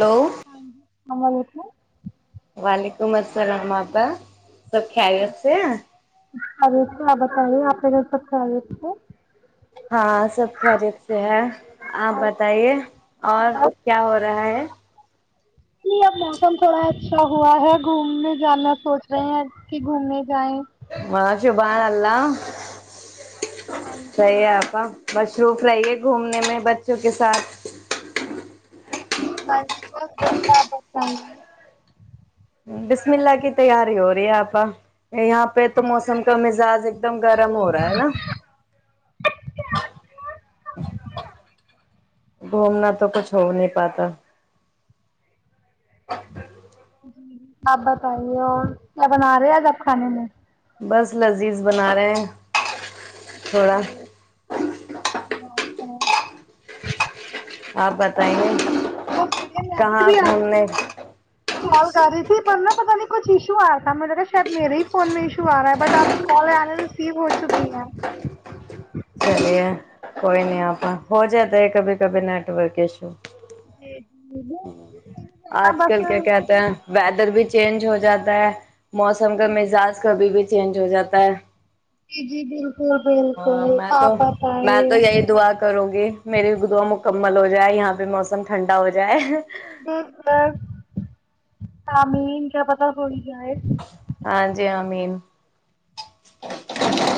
hello ہ جی سلام ولیکم سمسرامپا [unintelligible] سب کھائی ج سے آپ بتا رہے ہیں آپ پ سبتےت کو ہاں سب خیریت سے ہے آپ اور بتائیے اور کیا ہو رہا ہے یہ اب موسم تھوڑا اچھا ہوا ہے گھومنے جانا سوچ رہے ہیں کہ گھومنے جائےیں [unintelligible] بانلہ ہاں صی جی ہےپا [unintelligible] مشروف رہیے گھومنے میں بچوں کے ساتھ ہاں جی بس بڑیا آپ بسملہ کی تیاری ہو رہی ہے آپا یہاں پہ تو موسم کا مزاج ایک دم گرم ہو رہا ہے نا گھومنا تو کچھ ہو نہیں پاتا جی جی آپ بتائیے اور کیا بنا رہے آج آپ کھانے میں بس لذیذ بنا رہے ہیں تھوڑا [unintelligible] ہ [unintelligible] آپ بتائیے بہت بڑھیا کہاں یادیبھی آپ گھومنے کو کال کر رہی تھی پر ن پتا نہیں کچھ ایشو آ رہا تھا میں نےا شاید میرے ہی فون میں ایشو آ رہا ہے بٹ آپ کال آنے ریسیو ہو چکی ہے چلیے کوئی نہیں آپ ہو جائے تو کبھی کبھی نیٹ ورک ایشو جی جی آج بالکل بس کل کیا کہتے ہیں ویدر بھی چینج ہو جاتا ہے [unintelligible] موسم کا مزاج کبھی بھی چینج ہو جاتا ہے جی جی جال ہاں میں تو میں تو یہی دعا کروں گی میری دعا مک مکمل ہو جائے یہاں پہ موسم ٹھنڈا ہو جائے د سر تمین کیا پت تھوڑی کیا ہے ہاں جی ہاں مین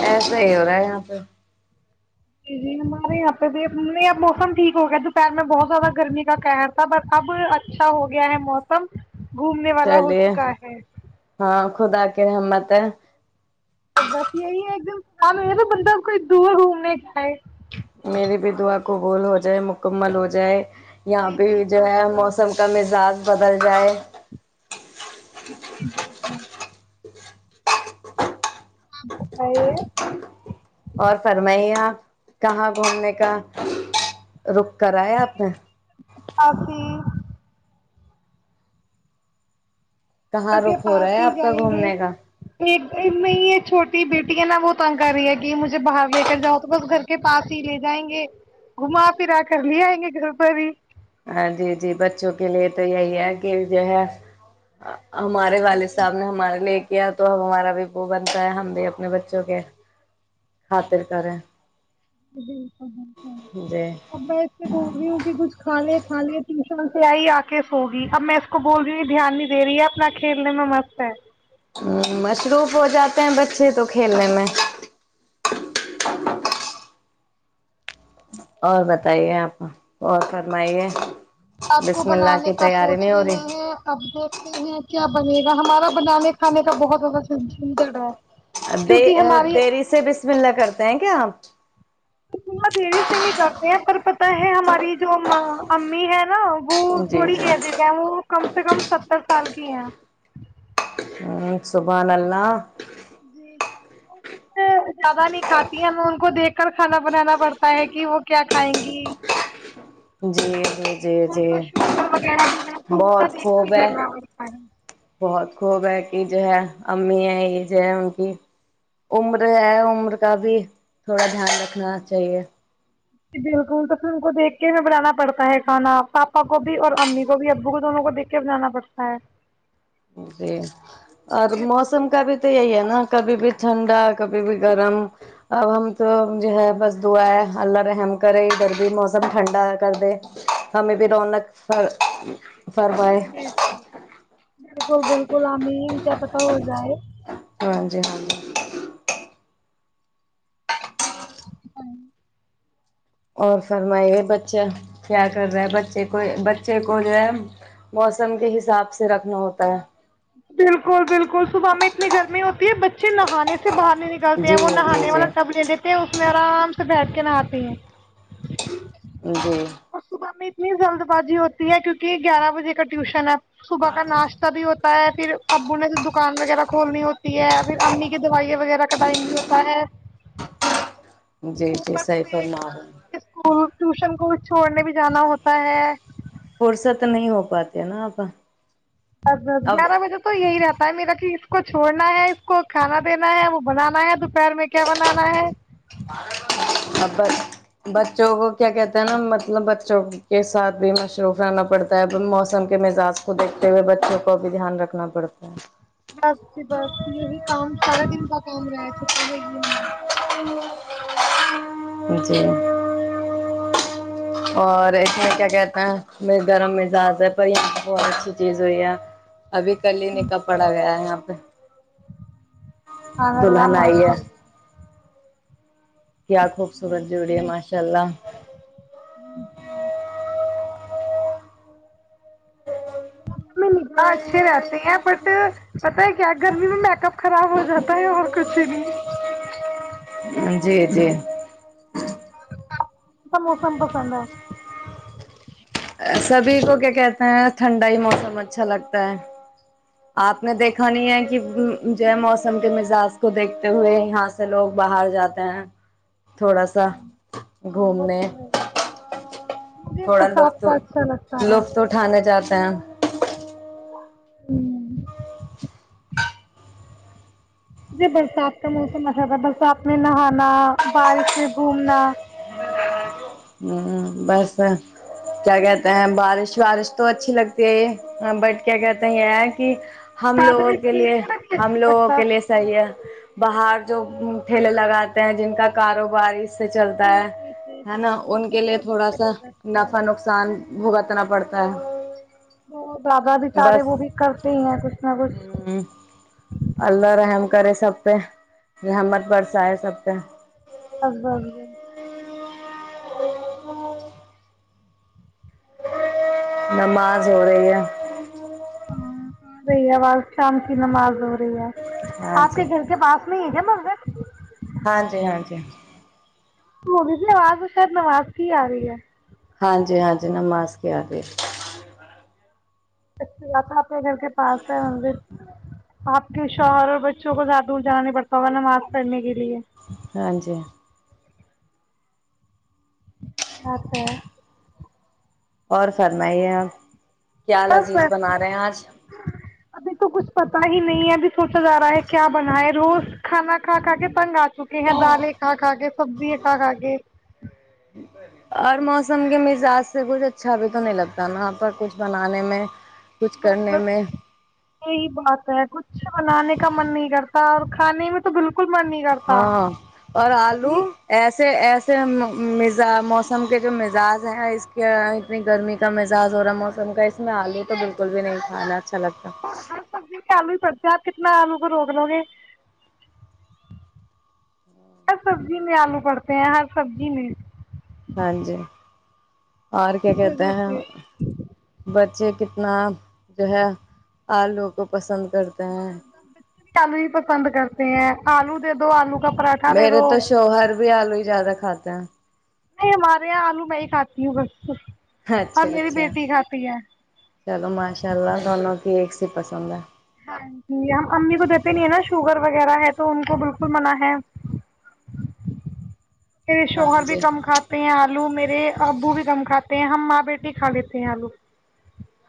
ایسا ہی ہو رہا ہے یہاں پ جی جی ہمارے یہاں پہ بھی نہیں اب موسم ٹھیک ہو گیا دوپہر میں بہت زیادہ گرمی کا قہر تھا پر اب اچھا ہو گیا ہے موسم گھومنے والا ہو چلیے چکا ہے ہاں خدا کے رحمت ایک دم کام نہیں ہے تو بندہ کوئی دور گھومنے کا ہے میری بھی دعا قبول ہو جائے مکمل ہو جائے یہاں جی پہ جی بھی جو بس ہے بس موسم کا مزاج بدل جائے ج [unintelligible] آ [inaudible] اور فرمائی آ کہاں گھومنے کا رک کرایا آپنے آپ ہی کہاں کے رخ ہو رہا پاس ہے ہی آپ کا جائیں گے گھومنے کا ایک نہیں یہ چھوٹی بیٹی ہے نا وہ تنگ کر رہی ہے کہ مجھے باہر لے کر جاؤ تو بس گھر کے پاس ہی لے جائیں گے گھما پھرا کر لے آئیں گے گھر پر ہی ہاں جی جی بچوں کے لیے تو یہی ہے کہ جو ہے ہمارے والد صاحب نے ہمارے لیے کیا تو ہمارا بھی وہو بنتا ہے ہم بھی اپنے بچوں کے خاطر کریں جی جی [unintelligible] اب میں اس سے بول رہی ہوں کہ کچھ کھا لے کھا لے ت سن سے آئی آک سوگی اب میں اس کو بول رہی ہی دھیان نہیں د رہی ہے اپنا کھیلنے میں مست ہے ہ مصروف ہو جاتے ہیں بچے تو کھیلنے میں جی [unintelligible] اور بتائیے آپ اور فرمائیے آپ کو بسم اللہ بنانے کی کا تیاری سوچ نہیں ہو رہے رہی ہیں اب دیکھتے ہیں کیا بنے گا ہمارا بنانے کھے کا بہت زیادہ سم ج رہا ہے د کیونکہ ہماری دیری سے بسم اللہ کرتے ہیں کیا آپ اتنا دیر سے نہیں کرتے ہیں پر پتہ ہے ہماری جو امی ہے نا وہ آپ جی تھوڑی جی ایزی کہ کم سے کم ستر سال کی ہے ہ سبانلہ جی جی وہ کچھ زیادہ نہیں کھاتی ہیں ہمیں ان کو دیکھ کر کھانا بنانا پڑتا ہے کہ وہ کیا کھائیں گی جی جی جی ان جی کو شوگر وغیرہ بھی ہے تو ان کا بہت دیکھ خوب کے ہے کرنا پڑتا ہے بہت خوب ہے کی جو ہے امی ہے یہ جو ہے ان کی عمر ہے عمر کا بھی تھوڑا دھیان رکھنا چاہیے ج بالکل تو پھر ان کو دیکھ کے بھی بنانا پڑتا ہے کھانا پاپا کو بھی اور امی کو بھی ابو کو دونوں کو دیکھ کے بنانا پڑتا ہے جی اور موسم کا بھی تو یہی ہے نا ہ کبھی بھی ٹھنڈا کبھی بھی گرم اب ہم تو جو ہے بس دعا ہے اللہ رحم کرے ادھر بھی موسم ٹھنڈا کر دے ہمیں بھی رونق ف فر بائے [inaudible] بالکل بالکل امین کیا پت ہو جائے ہاں جی ہاں جی اپتن [unintelligible] اور فرمائیے بچے کیا کر رہے ہے بچے کو بچے کو جو ہے موسم کے حساب سے رکھنا ہوتا ہے بالکل بالکل صبح میں اتنی گرمی ہوتی ہے بچے نہانے سے سے باہر نہیں نکلتے جی ہیں وہ جی نہانے جی والا ب نہیں دیتے ہیں اس میں آرام سے بیٹھ کے نہاتے ہیں جی [unintelligible] می اتنی جلد بازی ہوتی ہے کیونکہ گیارہ بجے کا ٹیوشن ہے صبح کا ناشتہ بھی ہوتا ہوتا پھر ابو نے تو دکان وغیرہ کھولنی ہوتی ہے پھر امی کی دوائیں وغیرہ کٹائ ہوتا ہے جی جی اوپر سیفر سے محول اسکول ٹیوشن کو چھوڑنے بھی جانا ہوتا ہے فرصت نہیں ہو پاتی نا آپ بس بس گیارہ بجے تو یہی رہتا ہے میرا کہ اس کو چھوڑنا ہے اس کو کھانا دینا ہے وہ بنانا ہے دوپہر میں کیا بنانا ہے ا بچوں کو کیا کہتے ہیں نا مطلب بچوں کے ساتھ بھی مصروف رہنا پڑتا ہے موسم کے مزاج کو دیکھتے ہوئے بچوں کو بھی دھیان رکھنا پڑتا ہے بس ج بس یہی کام سارا دن کا کام رہ تھ ہے ہی ہم جی اور اس میں کیا کہتے ہیں م گرم مزاج ہے پر یہاں پہ بہت اچھی چیز ہوئی ہے ابھی کل ہی نکل پڑا گیا ہے یہاں پہ آلہ دلہن موش آئی ہے [unintelligible] کیا خوبصورت جڑی ہے ماشاء اللہ ہ ہ نکھا اچھے رہتے ہیں بٹ پت ہے کیا گرمی میں میک اپ خراب ہو جاتا ہے اور کچھ نہیں جی جی تو موسم پسند ہے [unintelligible] سبھی کو کیا کہتے ہیں ٹھنڈا ہی موسم اچھا لگتا ہے آپ نے دیکھا نہیں ہے کہ ج موسم کے مزاج کو دیکھتے ہوئے یہاں سے لوگ باہر جاتے ہیں تھوڑا سا وہ گھومنے تو ہے مجھے تھوڑا برسات لطف کا اچھا لگتا ہے لطف اٹھانے جاتے ہیں ہوں [unintelligible] ج برسات کا موسم اچھا تھا برسات میں نہانا بارش میں گھومنا ہوں بس کیا کہتے ہیں بارش بارش تو اچھی لگتی ہے بٹ کیا کہتے ہیں یہ کہ ہم زیادہ لوگوں میں کے لیے کیچڑ بھی ہم اچھا لوگوں لگتا کے لیے صحیح ہے باہر جو ٹھیلے لگاتے ہیں جن کا کاروباری سے چلتا جی ہے جی جی ہے جی نا جی ان کو کے لیے بہت دقت ایسا ہو جاتی ہے نفع نقصان ہوگا توم پڑتا ہے [unintelligible] وہ دادا بھی سارے بس وہ بھی کرتے ہی ہیں کچھ نہ کچھ ہ اللہ رحم کرے سب پہ یہ ہمر پررسائے سب پہ ہ ہاں ہاں [unintelligible] اچ [unintelligible] نماز ہو رہی ہے آ رہی ہےواز شام کی نماز ہو رہی ہے ہاں آپ کے جی گھر کے پاس میریا منگت ہاں جی ہاں جی [unintelligible] وہگ آواز میں شاید نماز کی آ رہی ہے ہاں جی ہاں جی نماز کے آ گ اچ بات ہے اپنے گھر کے پاس ہے م آپ کے شوہر اور بچوں کو زیادہ دور جانا نہیں پڑتا ہوگا نماز پڑھنے کے لیے ہاں جی [unintelligible] م پ [unintelligible] اور فرمائیے آپ [unintelligible] کیا بس لذیذ بس بنا رہے ہیں آج ابھی تو کچھ پتا ہی نہیں ہے ابھی سوچا جا رہا ہے کیا بنا ہے روز کھانا کھا کا کے تنگ آتا چکے ہیں دالیں کا کھا کے سبزی کھا کا کے قسم کے مزاج سے کچھ اچھا بھی تو نہیں لگتا وہاں پر کچھ بنانے میں کچھ بس کرنے بس میں یہی بات ہے کچھ بنانے کا من نہیں کرتا ہاں اور کھانے میں تو بالکل من نہیں کرتا ہاں اور آلو اور ایس سے ایسے مزا موسم کے جو مزاج ہیں اس کے اتنی گرمی کا مزاج ہو رہا موسم کا اسس میں آلو تو بالکل بھی نہیں کھانا اچھا لگتا اور ہر سبزی خلو [unintelligible] آپ کتنا آلو کو روک لو گے ہر سبزی میں آلو پڑتا ہر سبزی مل [unintelligible] ہاں جی اور کیا اس کہتے وجہ ہیں سے بچے کتنا جو ہے آلو کو پسند کرتے ب ہیں بچے چل ہی پسند کرتے ہیں آلو دے دو آلو [unintelligible] دے میرے دو تو شوہر بھی آلو ہی زیادہ کھدا [unintelligible] نہیں ہمارے یہاں آلو میں ہی کھاتی ہوں بس اور اچھا میری اچھا بیٹی کھاتی ہے اسی پسند ہے [unintelligible] جی ہم امی کو دیتے نہیں ہیں نا شوگر وغیرہ ہے تو ان کو بالکل منع ہے پھر ہاں شوہر بھی جی کم کھاتے ہیں آپ لو میں [unintelligible] ابو بھی کم کات [unintelligible] ہم ماں بیٹی کھا لیتے ہیں آلو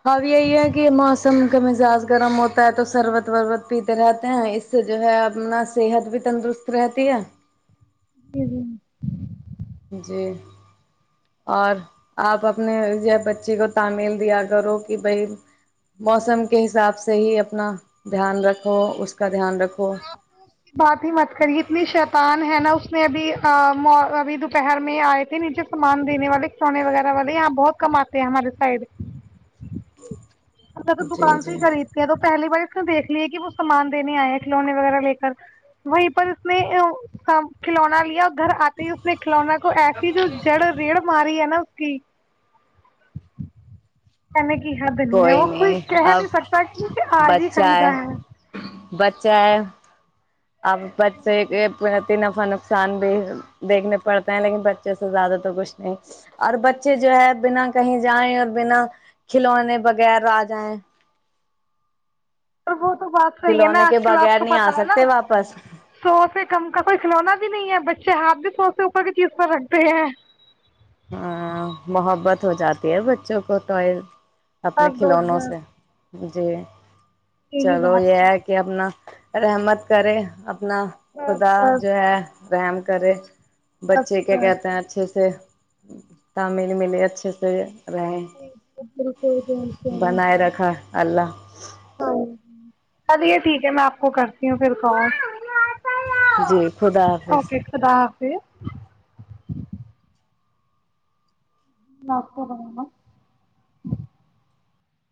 ہ یہی ہے کہ موسم کا مزاج گرم ہوتا ہے تو سربت ربت پیتے رہتے ہیں اس سے جو ہے اپنا صحت بھی تندرست رہتی ہے جی جی جی اور آپ اپنے بچی کو تعمیل دیا کرو کہ بھائی موسم کے حساب سے ہی اپنا دھیان رکھو اس کا دھیان رکھو آپ تو اس کی بات ہی مت کری اتنی شیتان ہے نا اس اس میں ابھی ابھی دوپہر میں آئے تھے نیچے سامان دینے والے کھلونے وغیرہ والے یہاں بہت کماتے ہیں ہمارے سائڈ اچھا تو جی دکان سے جی ہی خرید کے ہیں تو پہلی باری اس دیکھ لییا کہ وہ سامان دینے آئے کھلونے وغیرہ لے کر وہیں پر اس نے کھلونا لیا اور گھر آتے اس نے کھلونا کو ایسی جو جڑ ریڑ ماری ہے نا ج س میں [unintelligible] کی حدنی ہے کوئی وہ [unintelligible] اب نہیں سکتا کہ آج ہی بچہ ہے خریدا بچہ ہے اب بچے ب ت نفع نقصان بھی دیکھنے پڑتا ہیں لیکن بچے سے زیادہ تو کچھ نہیں اور بچے جو ہے بنا کہیں جائیں اور بنا کھلونے بغیر آ جائیں تو وہ [unintelligible] تو بات صحی ہے نا کھلونے کے آج کل آپ بغیر کو نہیں آ پتا ہے نا سکتے واپس سو سے کم کا کوئی کھلونا بھی نہیں ہے ب اچھے ہاتھ بھی سوستے اوپر کی چیز پر رکھتے ہیں ہاں محبت ہو جاتی ہے بچوں کو تو اپنے بس بس کھلونوں بس سے جی [unintelligible] یہی چلو بات یہ ہے کہ اپنا [unintelligible] رحمت کرے ا اپنا بس خدا بس جو ہے رام کرے [unintelligible] بس بچے کیا کہتے ہیں اچھے سے تعمل ملے اچھے سے ر [unintelligible] ب کوئی گن کو اللہ [unintelligible] چلیے ٹھیک ہے میں آپ کو کرتی ہوں پھر کال جی خدا حافظ پ [unintelligible] پ ما [unintelligible]